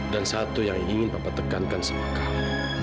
dan satu yang ingin papa tekankan sama kamu